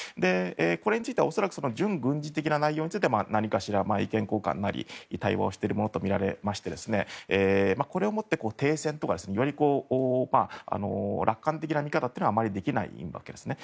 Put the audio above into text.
これについては恐らく準軍事的な内容については意見交換なりで対応しているものとみられましてこれをもって停戦とか楽観的な見方はできないわけですね。